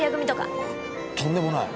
とんでもない。